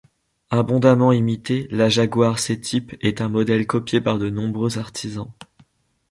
Abondamment immitée, la Jaguar C-Type est un modèle copié par de nombreux artisans.